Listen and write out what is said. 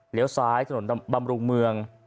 เหลียวซ้ายถนนบำรุงเมือง